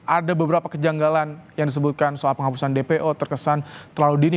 ada beberapa kejanggalan yang disebutkan soal penghapusan dpo terkesan terlalu dini